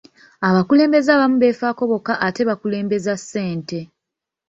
Abakulembeze abamu beefaako bokka ate bakulembeza ssente.